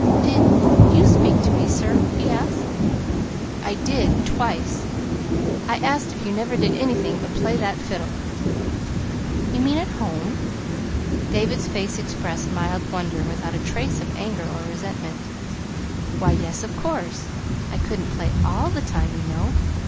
"Did you speak to me, sir?" he asked. "I did twice. I asked if you never did anything but play that fiddle." "You mean at home?" David's face expressed mild wonder without a trace of anger or resentment. "Why, yes, of course. I couldn't play ALL the time, you know.